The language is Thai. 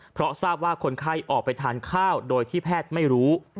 เพราะทราบว่าคนไข้ออกไปทานข้าวโดยที่แพทย์ไม่รู้